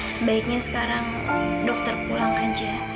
sebaiknya sekarang dokter pulang aja